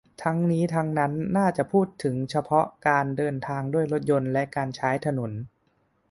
ทั้งนี้ ทั้งหมดน่าจะพูดถึงเฉพาะการเดินทางด้วยรถยนต์และการใช้ถนน